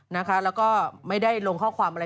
แล้วก็ไม่ได้ลงข้อความอะไร